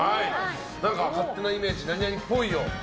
何か勝手なイメージ何々っぽいを。